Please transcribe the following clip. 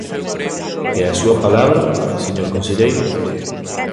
¿E a súa palabra, señor conselleiro?